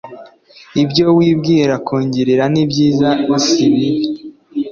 Ibyo wibwira kungirira n’ibyiza si ibibi